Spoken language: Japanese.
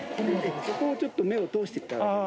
ここをちょっと目を通していただいて。